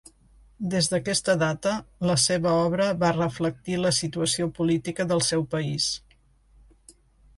Des d'aquesta data, la seva obra va reflectir la situació política del seu país.